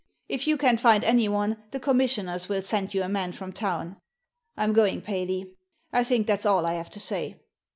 If you can't find anyone the Commis sioners will send you a man from town. I'm going, Paley. I think that's all I have to say."